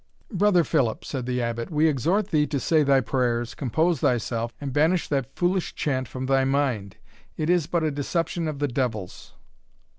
"Brother Philip," said the Abbot, "we exhort thee to say thy prayers, compose thyself, and banish that foolish chant from thy mind; it is but a deception of the devil's."